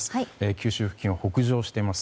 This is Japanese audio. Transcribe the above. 九州付近を北上しています